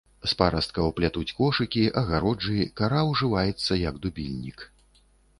З парасткаў плятуць кошыкі, агароджы, кара ўжываецца як дубільнік.